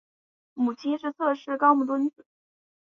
母亲是侧室高木敦子。